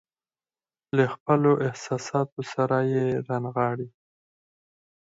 له خپلو احساساتو سره يې رانغاړي.